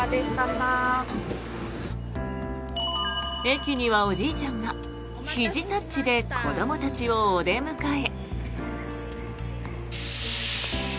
駅にはおじいちゃんがひじタッチで子どもたちをお出迎え。